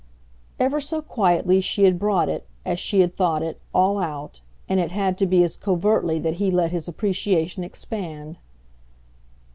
Ever so quietly she had brought it, as she had thought it, all out, and it had to be as covertly that he let his appreciation expand.